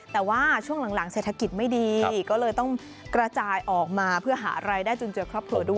แต่ว่าช่วงหลังเศรษฐกิจไม่ดีก็เลยต้องกระจายออกมาเพื่อหารายได้จนเจอครอบครัวด้วย